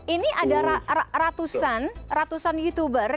ini ada ratusan youtuber